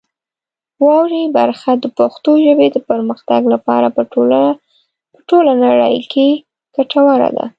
واورئ برخه د پښتو ژبې د پرمختګ لپاره په ټوله نړۍ کې ګټوره ده.